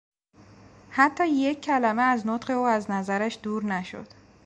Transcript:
حتی یک کلمه از نطق او از نظرش دور نشد.